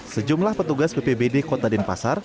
sejumlah petugas bpbd kota denpasar